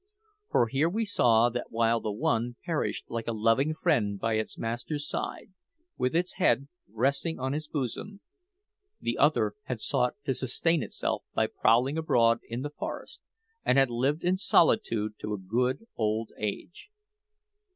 For here we saw that while the one perished like a loving friend by its master's side, with its head resting on his bosom, the other had sought to sustain itself by prowling abroad in the forest, and had lived in solitude to a good old age.